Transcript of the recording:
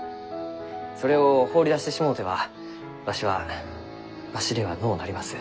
それを放り出してしもうてはわしはわしではのうなります。